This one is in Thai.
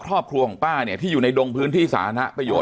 ครอบครัวของป้าเนี่ยที่อยู่ในดงพื้นที่สาธารณะประโยชน